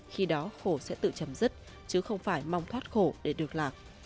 khi đó khổ sẽ tự chấm dứt chứ không phải mong thoát khổ để được lạc